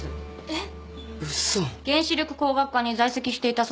えっ？